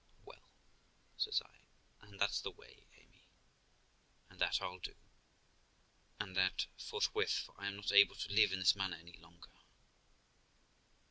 'Well', says I, 'and that's the way, Amy, and that I'll do, and that forthwith ; for I am not able to live in this manner any longer.'